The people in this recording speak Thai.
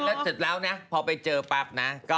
หลงอ่ะถ้าเสร็จแล้วนะพอไปเจอปรับนะ